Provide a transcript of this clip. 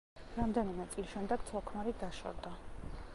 რამდენიმე წლის შემდეგ ცოლ-ქმარი დაშორდა.